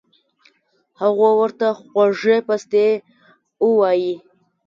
هغو ورته خوږې پستې اووائي